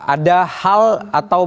ada hal atau